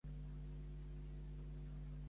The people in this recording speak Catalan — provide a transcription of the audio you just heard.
Va estudiar a la Stewart's Melville College.